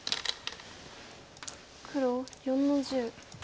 黒４の十。